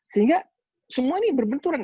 sehingga semua ini berbenturan